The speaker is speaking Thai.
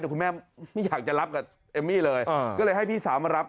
แต่คุณแม่ไม่อยากจะรับกับเอมมี่เลยก็เลยให้พี่สาวมารับ